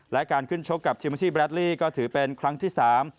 และการขึ้นชกกับชิมชีแรดลี่ก็ถือเป็นครั้งที่สาม